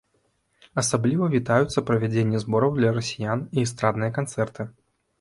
Асабліва вітаюцца правядзенні збораў для расіян і эстрадныя канцэрты.